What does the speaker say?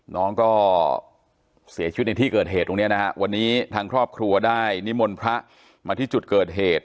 น้องก็เสียชีวิตในที่เกิดเหตุตรงนี้นะฮะวันนี้ทางครอบครัวได้นิมนต์พระมาที่จุดเกิดเหตุ